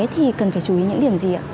thì cần phải chú ý những điểm gì ạ